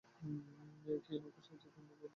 খেয়া নৌকার সাহায্যে নদীতে পারাপার চলত।